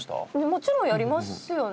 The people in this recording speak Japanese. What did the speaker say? もちろんやりますよね